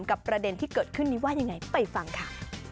ประเด็นที่เกิดขึ้นนี้ว่ายังไงไปฟังค่ะ